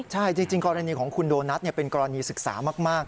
ใช่จริงกรณีของคุณโดนัทเป็นกรณีศึกษามาก